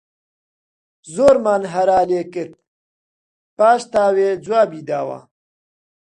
زۆرمان هەرا لێ کرد، پاش تاوێ جوابی داوە